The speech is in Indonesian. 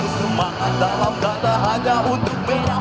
semangat dalam kata hanya untuk berani